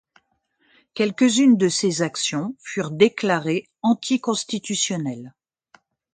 Quelques-unes de ces actions furent déclarées anticonstitutionnelles.